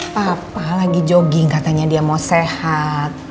papa lagi jogging katanya dia mau sehat